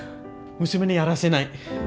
娘にやらせない。